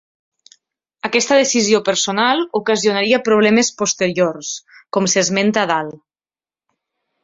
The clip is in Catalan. Aquesta decisió personal ocasionaria problemes posteriors, com s'esmenta a dalt.